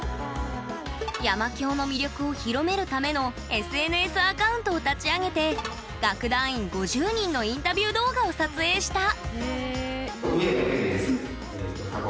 山響の魅力を広めるためのＳＮＳアカウントを立ち上げて楽団員５０人のインタビュー動画を撮影した。